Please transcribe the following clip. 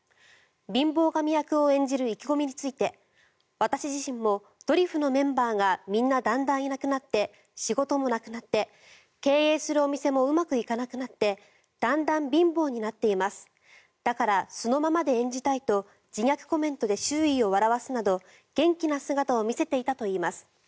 貧乏神役を演じる意気込みについて私自身もドリフのメンバーがみんなだんだんいなくなって仕事もなくなって経営するお店もうまくいかなくなってだんだん貧乏になっていますだから素のままで演じたいと自虐コメントで周囲を笑わすなど元気な姿を見せていたといいます。